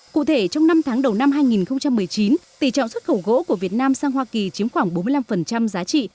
cụ thể trong năm tháng đầu năm hai nghìn một mươi chín tỷ trọng xuất khẩu gỗ của việt nam sang hoa kỳ chiếm khoảng bốn mươi năm giá trị